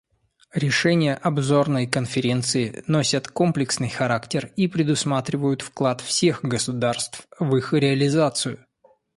Решения обзорной Конференции носят комплексный характер и предусматривают вклад всех государств в их реализацию.